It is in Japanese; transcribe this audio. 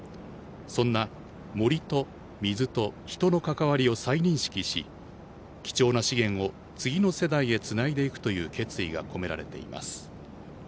そんな森と水と人の関わりを再認識し貴重な資源を次の世代へつないでいくという決意が込められています。